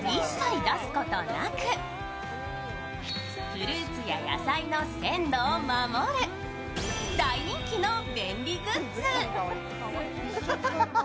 フルーツや野菜の鮮度を守る大人気の便利グッズ。